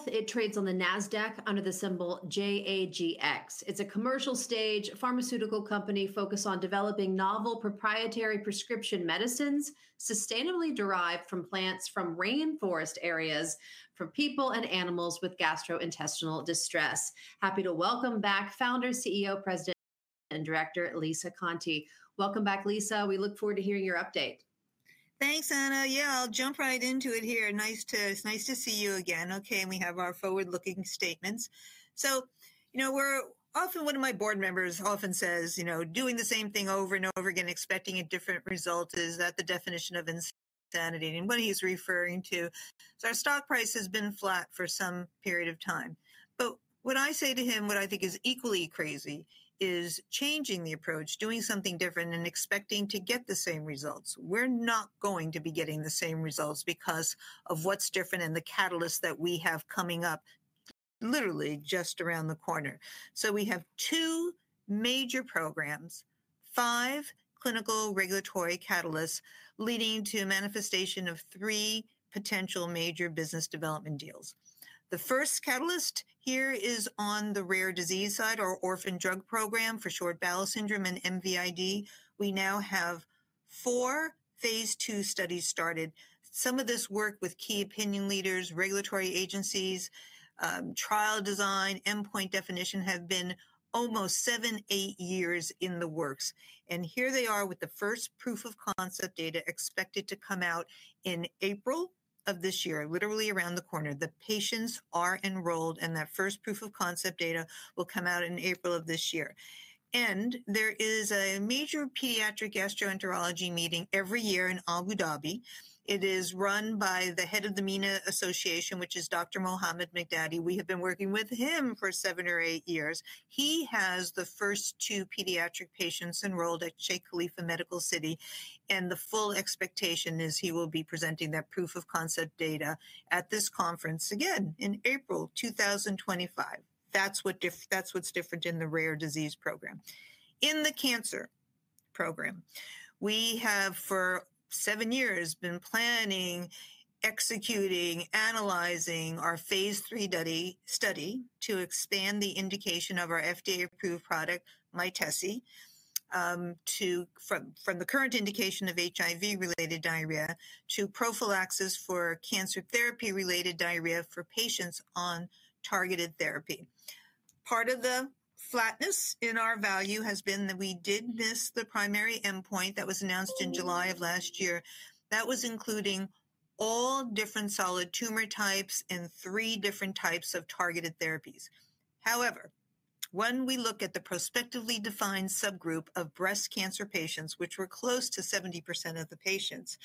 Health, it trades on the Nasdaq under the symbol JAGX. It's a commercial stage pharmaceutical company focused on developing novel proprietary prescription medicines sustainably derived from plants from rainforest areas for people and animals with gastrointestinal distress. Happy to welcome back Founder, CEO, President, and Director Lisa Conte. Welcome back, Lisa. We look forward to hearing your update. Thanks, Anna. Yeah, I'll jump right into it here. Nice to see you again. Okay, and we have our forward-looking statements. You know, one of my board members often says, you know, doing the same thing over and over again, expecting a different result is the definition of insanity and what he's referring to. Our stock price has been flat for some period of time. When I say to him what I think is equally crazy is changing the approach, doing something different and expecting to get the same results. We're not going to be getting the same results because of what's different and the catalysts that we have coming up literally just around the corner. We have two major programs, five clinical regulatory catalysts leading to a manifestation of three potential major business development deals. The first catalyst here is on the rare disease side, our orphan drug program for short bowel syndrome and MVID. We now have four phase II studies started. Some of this work with key opinion leaders, regulatory agencies, trial design, endpoint definition have been almost seven, eight years in the works. Here they are with the first proof of concept data expected to come out in April of this year, literally around the corner. The patients are enrolled and that first proof of concept data will come out in April of this year. There is a major pediatric gastroenterology meeting every year in Abu Dhabi. It is run by the Head of the MENA Association, which is Dr. Mohamad Miqdady. We have been working with him for seven or eight years. He has the first two pediatric patients enrolled at Sheikh Khalifa Medical City. The full expectation is he will be presenting that proof of concept data at this conference again in April 2025. That is what is different in the rare disease program. In the cancer program, we have for seven years been planning, executing, analyzing our phase III study to expand the indication of our FDA-approved product, Mytesi, from the current indication of HIV-related diarrhea to prophylaxis for cancer therapy-related diarrhea for patients on targeted therapy. Part of the flatness in our value has been that we did miss the primary endpoint that was announced in July of last year that was including all different solid tumor types and three different types of targeted therapies. However, when we look at the prospectively defined subgroup of breast cancer patients, which were close to 70% of the patients,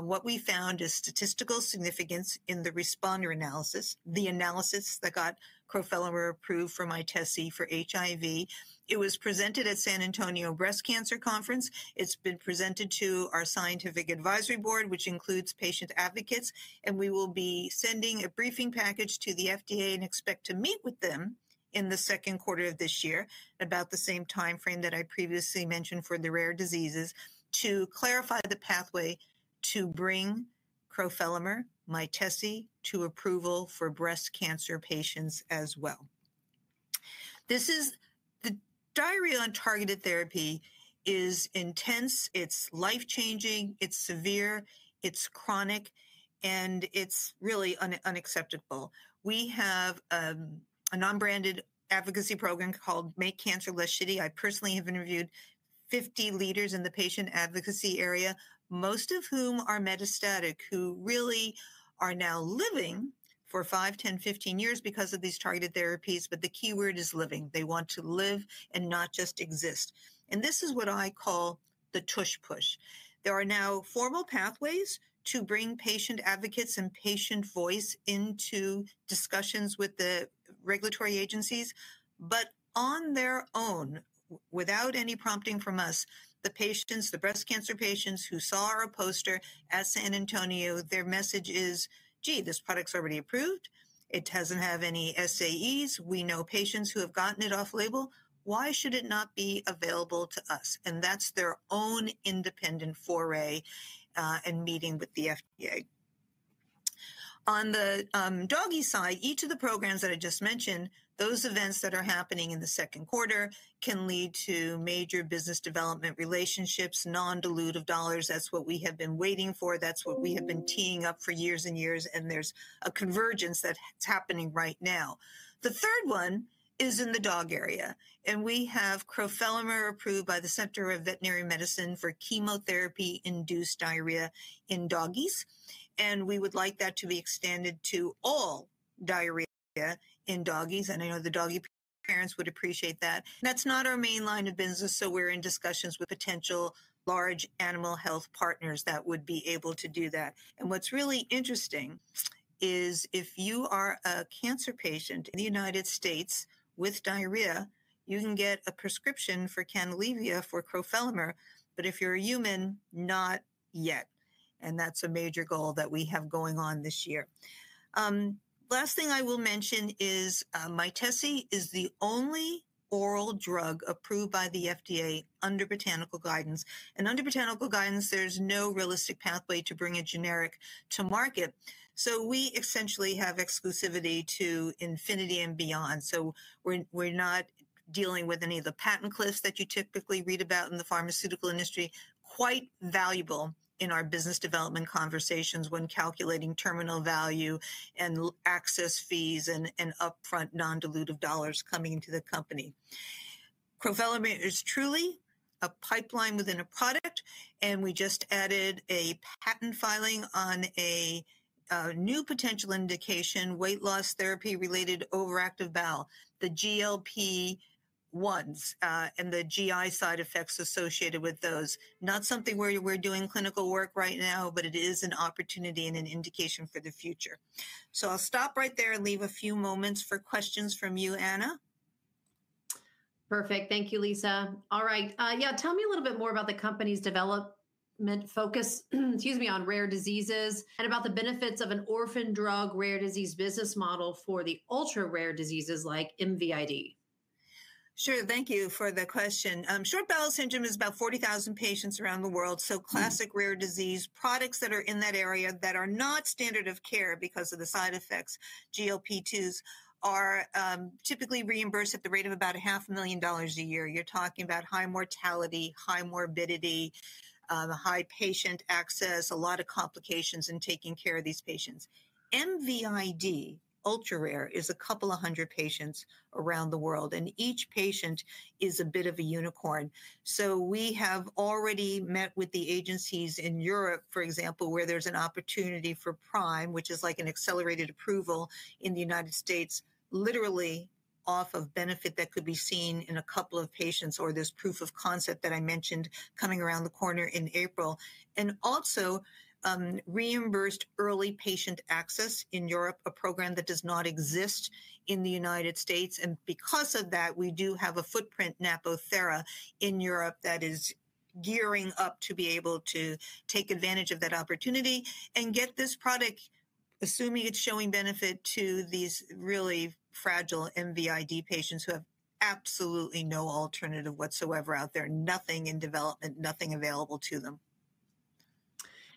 what we found is statistical significance in the responder analysis, the analysis that got crofelemer approved for Mytesi for HIV. It was presented at San Antonio Breast Cancer Conference. It has been presented to our scientific advisory board, which includes patient advocates. We will be sending a briefing package to the FDA and expect to meet with them in the second quarter of this year about the same timeframe that I previously mentioned for the rare diseases to clarify the pathway to bring crofelemer, Mytesi to approval for breast cancer patients as well. This is the diarrhea on targeted therapy. It is intense. It is life-changing. It is severe. It is chronic. It is really unacceptable. We have a non-branded advocacy program called Make Cancer Less Shitty. I personally have interviewed 50 leaders in the patient advocacy area, most of whom are metastatic, who really are now living for five, 10, 15 years because of these targeted therapies. The keyword is living. They want to live and not just exist. This is what I call the push-push. There are now formal pathways to bring patient advocates and patient voice into discussions with the regulatory agencies. On their own, without any prompting from us, the patients, the breast cancer patients who saw our poster at San Antonio, their message is, gee, this product's already approved. It doesn't have any SAEs. We know patients who have gotten it off label. Why should it not be available to us? That's their own independent foray and meeting with the FDA. On the doggy side, each of the programs that I just mentioned, those events that are happening in the second quarter can lead to major business development relationships, non-dilutive dollars. That is what we have been waiting for. That is what we have been teeing up for years and years. There is a convergence that is happening right now. The third one is in the dog area. We have crofelemer approved by the Center for Veterinary Medicine for chemotherapy-induced diarrhea in doggies. We would like that to be extended to all diarrhea in doggies. I know the doggy parents would appreciate that. That is not our main line of business. We are in discussions with potential large animal health partners that would be able to do that. What's really interesting is if you are a cancer patient in the United States with diarrhea, you can get a prescription for Canalevia for crofelemer, but if you're a human, not yet. That is a major goal that we have going on this year. Last thing I will mention is Mytesi is the only oral drug approved by the FDA under botanical guidance. Under botanical guidance, there's no realistic pathway to bring a generic to market. We essentially have exclusivity to infinity and beyond. We're not dealing with any of the patent cliffs that you typically read about in the pharmaceutical industry, which is quite valuable in our business development conversations when calculating terminal value and access fees and upfront non-dilutive dollars coming into the company. Crofelemer is truly a pipeline within a product. We just added a patent filing on a new potential indication, weight loss therapy-related overactive bowel, the GLP-1s and the GI side effects associated with those. Not something where we're doing clinical work right now, but it is an opportunity and an indication for the future. I'll stop right there and leave a few moments for questions from you, Anna. Perfect. Thank you, Lisa. All right. Yeah, tell me a little bit more about the company's development focus, excuse me, on rare diseases and about the benefits of an orphan drug rare disease business model for the ultra rare diseases like MVID. Sure. Thank you for the question. Short bowel syndrome is about 40,000 patients around the world. Classic rare disease products that are in that area that are not standard of care because of the side effects, GLP-2s, are typically reimbursed at the rate of about $500,000 a year. You're talking about high mortality, high morbidity, high patient access, a lot of complications in taking care of these patients. MVID, ultra rare, is a couple of hundred patients around the world. Each patient is a bit of a unicorn. We have already met with the agencies in Europe, for example, where there is an opportunity for PRIME, which is like an accelerated approval in the United States, literally off of benefit that could be seen in a couple of patients or this proof of concept that I mentioned coming around the corner in April, and also reimbursed early patient access in Europe, a program that does not exist in the United States. Because of that, we do have a footprint, Napo Thera, in Europe that is gearing up to be able to take advantage of that opportunity and get this product, assuming it is showing benefit, to these really fragile MVID patients who have absolutely no alternative whatsoever out there, nothing in development, nothing available to them.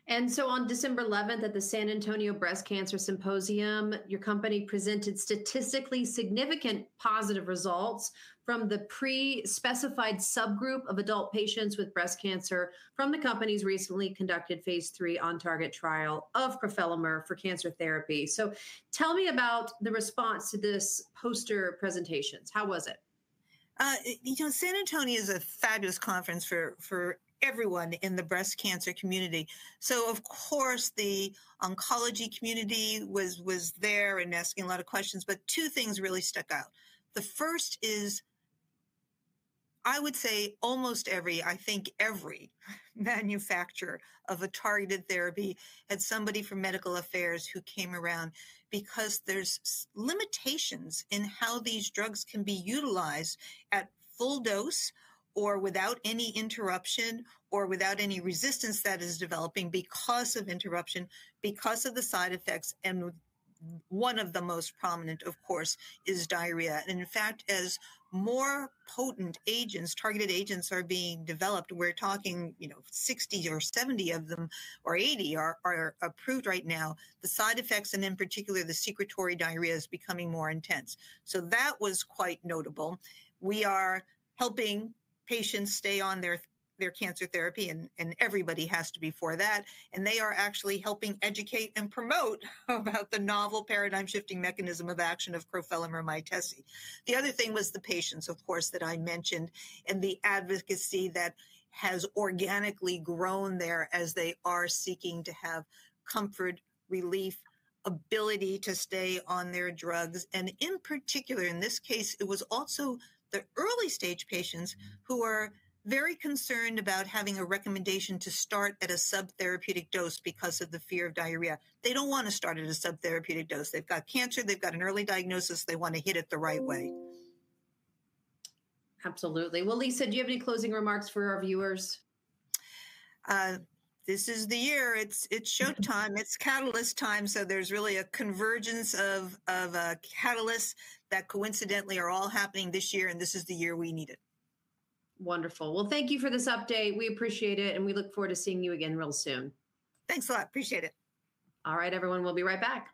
On December 11th at the San Antonio Breast Cancer Symposium, your company presented statistically significant positive results from the pre-specified subgroup of adult patients with breast cancer from the company's recently conducted phase III OnTarget trial of crofelemer for cancer therapy. Tell me about the response to this poster presentation. How was it? You know, San Antonio is a fabulous conference for everyone in the breast cancer community. Of course, the oncology community was there and asking a lot of questions. Two things really stuck out. The first is, I would say almost every, I think every manufacturer of a targeted therapy had somebody from medical affairs who came around because there are limitations in how these drugs can be utilized at full dose or without any interruption or without any resistance that is developing because of interruption, because of the side effects. One of the most prominent, of course, is diarrhea. In fact, as more potent agents, targeted agents are being developed, we are talking, you know, 60 or 70 of them or 80 are approved right now. The side effects, and in particular, the secretory diarrhea is becoming more intense. That was quite notable. We are helping patients stay on their cancer therapy, and everybody has to be for that. They are actually helping educate and promote about the novel paradigm-shifting mechanism of action of crofelemer or Mytesi. The other thing was the patients, of course, that I mentioned and the advocacy that has organically grown there as they are seeking to have comfort, relief, ability to stay on their drugs. In particular, in this case, it was also the early stage patients who are very concerned about having a recommendation to start at a subtherapeutic dose because of the fear of diarrhea. They do not want to start at a subtherapeutic dose. They have got cancer. They have got an early diagnosis. They want to hit it the right way. Absolutely. Lisa, do you have any closing remarks for our viewers? This is the year. It's showtime. It's catalyst time. There is really a convergence of catalysts that coincidentally are all happening this year. This is the year we need it. Wonderful. Thank you for this update. We appreciate it. We look forward to seeing you again real soon. Thanks a lot. Appreciate it. All right, everyone, we'll be right back.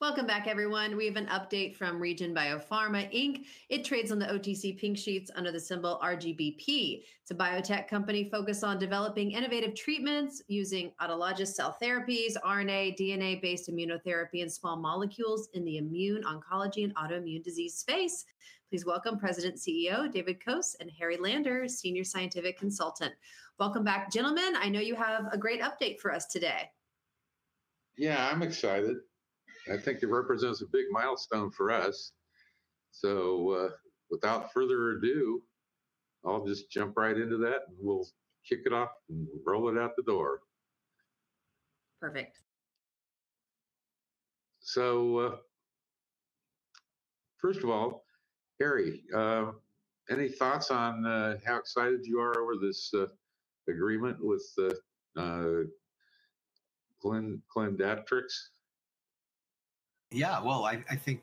Welcome back, everyone. We have an update from Regen BioPharma. It trades on the OTC Pink Sheets under the symbol RGBP. It's a biotech company focused on developing innovative treatments using autologous cell therapies, RNA, DNA-based immunotherapy, and small molecules in the immune, oncology, and autoimmune disease space. Please welcome President and CEO David Koos and Harry Lander, Senior Scientific Consultant. Welcome back, gentlemen. I know you have a great update for us today. Yeah, I'm excited. I think it represents a big milestone for us. Without further ado, I'll just jump right into that and we'll kick it off and roll it out the door. Perfect. First of all, Harry, any thoughts on how excited you are over this agreement with ClinDatrix? Yeah, I think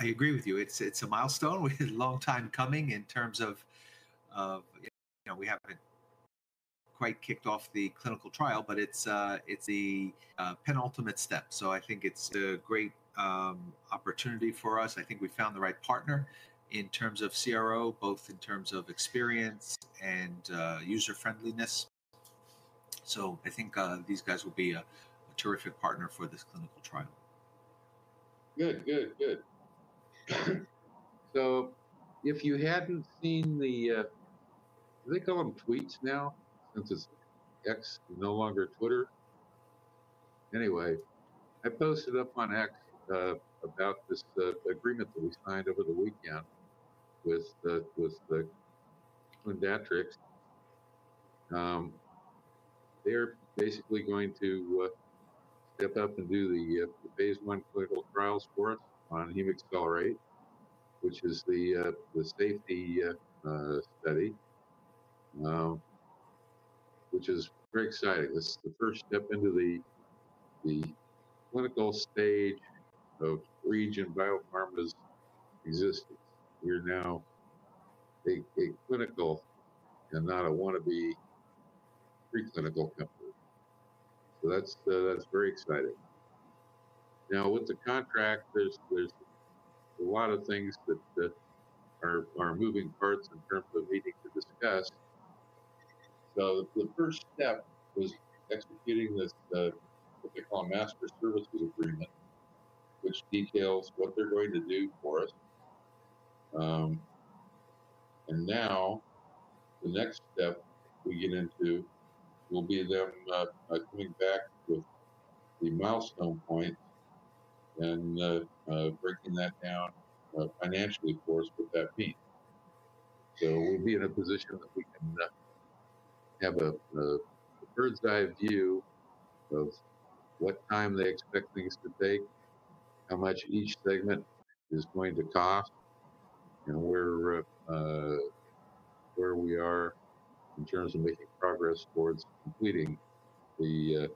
I agree with you. It's a milestone, a long time coming in terms of, you know, we haven't quite kicked off the clinical trial, but it's the penultimate step. I think it's a great opportunity for us. I think we found the right partner in terms of CRO, both in terms of experience and user-friendliness. I think these guys will be a terrific partner for this clinical trial. Good, good, good. If you hadn't seen the, they call them tweets now, since it's X, no longer Twitter. Anyway, I posted up on X about this agreement that we signed over the weekend with ClinDatrix. They're basically going to step up and do the phase I clinical trials for us on HemaXellerate, which is the safety study, which is very exciting. This is the first step into the clinical stage of Regen BioPharma's existence. We're now a clinical and not a wannabe preclinical company. That's very exciting. Now, with the contract, there's a lot of things that are moving parts in terms of needing to discuss. The first step was executing what they call a master services agreement, which details what they're going to do for us. The next step we get into will be them coming back with the milestone points and breaking that down financially for us, what that means. We'll be in a position that we can have a bird's eye view of what time they expect things to take, how much each segment is going to cost, and where we are in terms of making progress towards completing the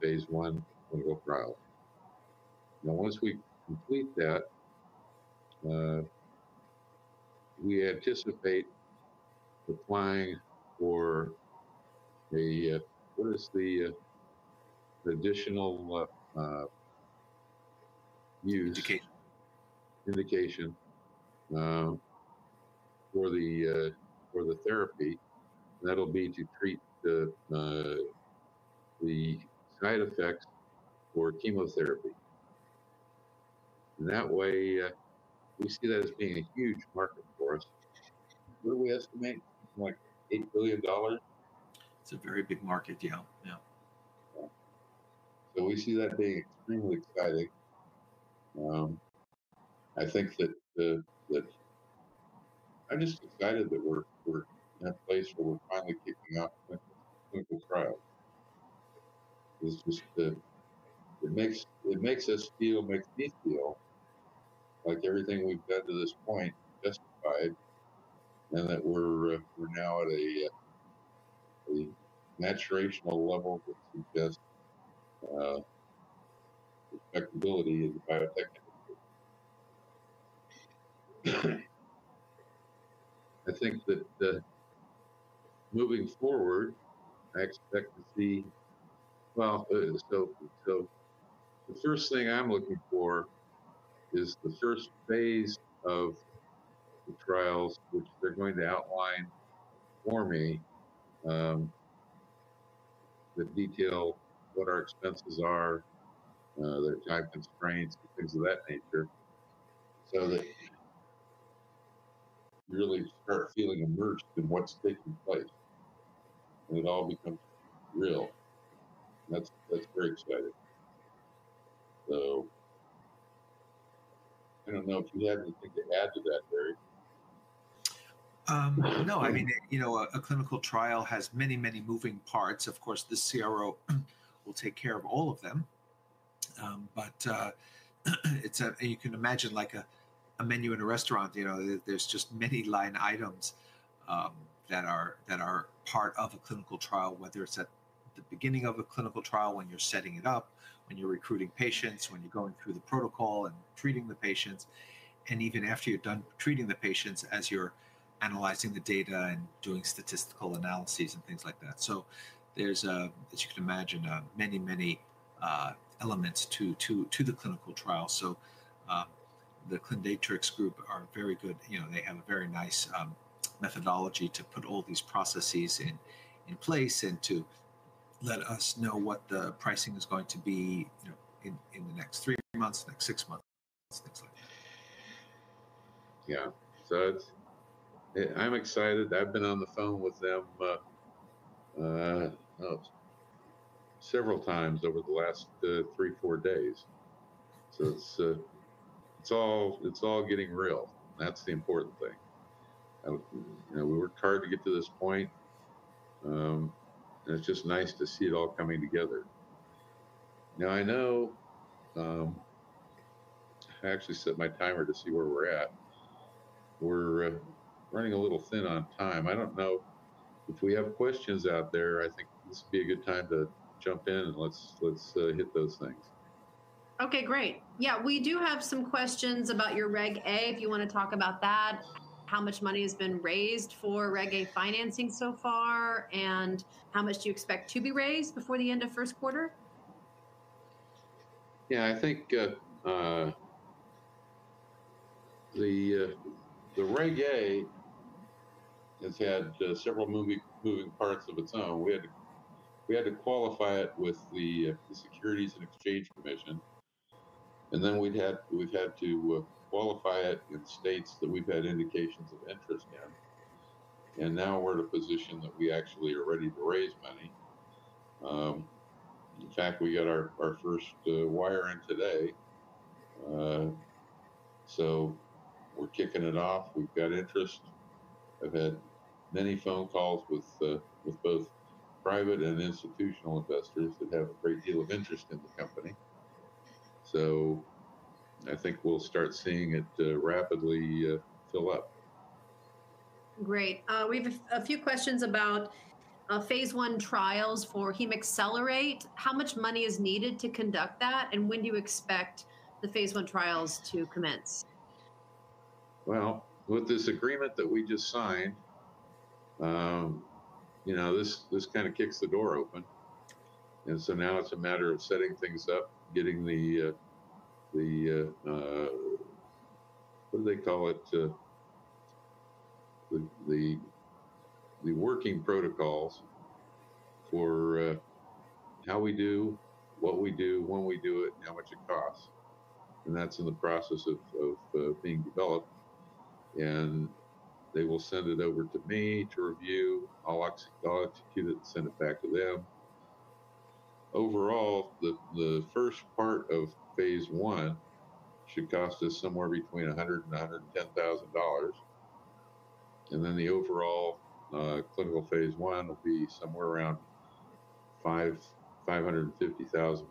phase I clinical trial. Now, once we complete that, we anticipate applying for a, what is the additional. Indication. Indication for the therapy. That'll be to treat the side effects for chemotherapy. That way, we see that as being a huge market for us. What do we estimate? Like $8 billion. It's a very big market, yeah. We see that being extremely exciting. I think that I'm just excited that we're in a place where we're finally kicking off clinical trials. It makes us feel, makes me feel like everything we've done to this point is justified and that we're now at a maturational level that suggests the effectibility of the biotech initiative. I think that moving forward, I expect to see, the first thing I'm looking for is the first phase of the trials, which they're going to outline for me, that detail what our expenses are, their time constraints, things of that nature, so that we really start feeling immersed in what's taking place and it all becomes real. That's very exciting. I don't know if you have anything to add to that, Harry. No, I mean, you know, a clinical trial has many, many moving parts. Of course, the CRO will take care of all of them. You can imagine like a menu at a restaurant, you know, there's just many line items that are part of a clinical trial, whether it's at the beginning of a clinical trial when you're setting it up, when you're recruiting patients, when you're going through the protocol and treating the patients, and even after you're done treating the patients as you're analyzing the data and doing statistical analyses and things like that. There are, as you can imagine, many, many elements to the clinical trial. The ClinDatrix group are very good. You know, they have a very nice methodology to put all these processes in place and to let us know what the pricing is going to be in the next three months, next six months, things like that. Yeah. I'm excited. I've been on the phone with them several times over the last three, four days. It's all getting real. That's the important thing. We worked hard to get to this point. It's just nice to see it all coming together. Now, I know I actually set my timer to see where we're at. We're running a little thin on time. I don't know if we have questions out there. I think this would be a good time to jump in and let's hit those things. Okay, great. Yeah, we do have some questions about your Reg A, if you want to talk about that, how much money has been raised for Reg A financing so far, and how much do you expect to be raised before the end of first quarter? Yeah, I think the Reg A has had several moving parts of its own. We had to qualify it with the Securities and Exchange Commission. We had to qualify it in states that we've had indications of interest in. Now we're in a position that we actually are ready to raise money. In fact, we got our first wire in today. We're kicking it off. We've got interest. I've had many phone calls with both private and institutional investors that have a great deal of interest in the company. I think we'll start seeing it rapidly fill up. Great. We have a few questions about phase I trials for HemaXellerate. How much money is needed to conduct that? When do you expect the phase I trials to commence? With this agreement that we just signed, you know, this kind of kicks the door open. Now it's a matter of setting things up, getting the, what do they call it, the working protocols for how we do, what we do, when we do it, and how much it costs. That's in the process of being developed. They will send it over to me to review. I'll execute it and send it back to them. Overall, the first part of phase I should cost us somewhere between $100,000 and $110,000. The overall clinical phase I will be somewhere around $550,000.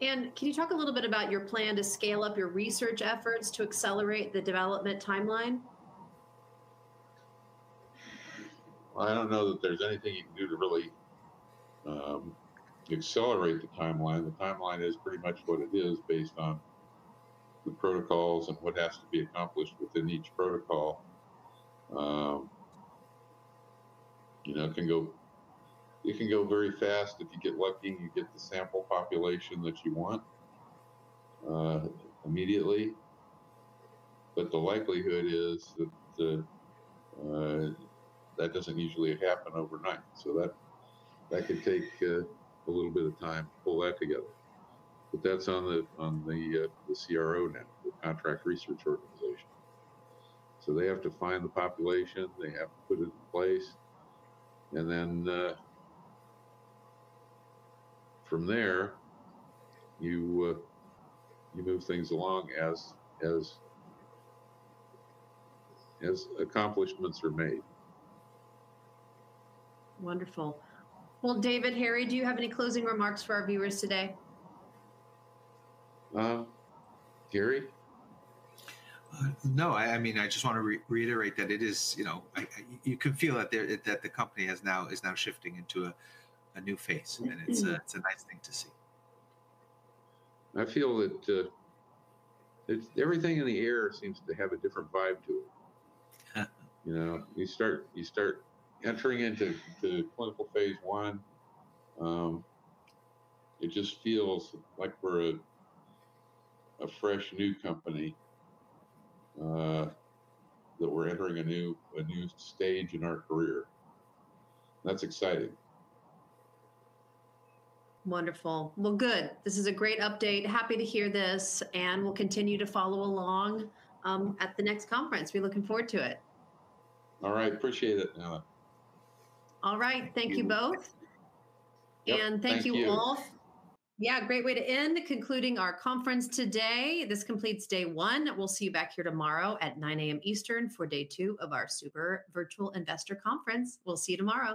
Can you talk a little bit about your plan to scale up your research efforts to accelerate the development timeline? I don't know that there's anything you can do to really accelerate the timeline. The timeline is pretty much what it is based on the protocols and what has to be accomplished within each protocol. You know, it can go very fast. If you get lucky, you get the sample population that you want immediately. The likelihood is that that doesn't usually happen overnight. That could take a little bit of time to pull that together. That's on the CRO now, the contract research organization. They have to find the population. They have to put it in place. From there, you move things along as accomplishments are made. Wonderful. David, Harry, do you have any closing remarks for our viewers today? No. Harry? No, I mean, I just want to reiterate that it is, you know, you can feel that the company is now shifting into a new phase. And it's a nice thing to see. I feel that everything in the air seems to have a different vibe to it. You know, you start entering into clinical phase I. It just feels like we're a fresh new company, that we're entering a new stage in our career. That's exciting. Wonderful. Good. This is a great update. Happy to hear this. We will continue to follow along at the next conference. We are looking forward to it. All right. Appreciate it, Anna. All right. Thank you both. Thank you, Wolf. Yeah, great way to end. Concluding our conference today. This completes day one. We'll see you back here tomorrow at 9:00 A.M. Eastern for day two of our Super Virtual Investor Conference. We'll see you tomorrow.